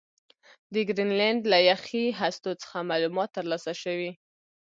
د ګرینلنډ له یخي هستو څخه معلومات ترلاسه شوي